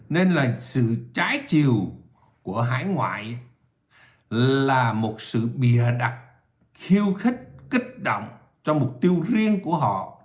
nên là sự trái chiều của hải ngoại là một sự bìa đặt khiêu khích kích động cho mục tiêu riêng của họ